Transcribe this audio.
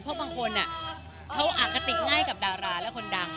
เพราะบางคนเขาอคติง่ายกับดาราและคนดัง